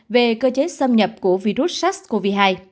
về cơ chế xâm nhập của virus sars cov hai